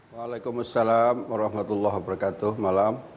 waalaikumsalam warahmatullahi wabarakatuh malam